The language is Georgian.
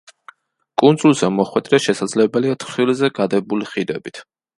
კუნძულზე მოხვედრა შესაძლებელია თხრილზე გადებული ხიდებით.